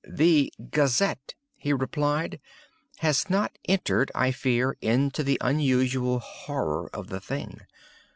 "The 'Gazette,'" he replied, "has not entered, I fear, into the unusual horror of the thing.